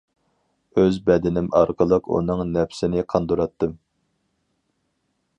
ئۆز بەدىنىم ئارقىلىق ئۇنىڭ نەپسىنى قاندۇراتتىم.